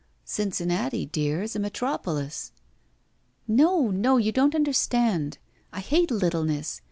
Cincinnati, dear, is a metropolis." No, no! You don't understand. I hate little ness.